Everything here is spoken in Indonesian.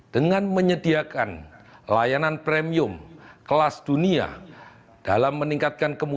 dengan menyediakan layanan premium kelas dunia dalam meningkatkan kemampuan